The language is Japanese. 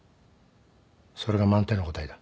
それが満点の答えだ。